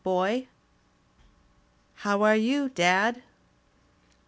Boy?* "*How are you. Dad?